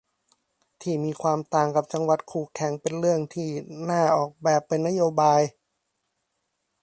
ที่มีความต่างกับจังหวัดคู่แข่งเป็นเรื่องที่น่าออกแบบเป็นนโยบาย